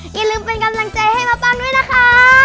อย่าลืมเป็นกำลังใจให้มาปั้นด้วยนะคะ